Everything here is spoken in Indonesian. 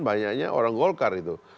banyaknya orang golkar itu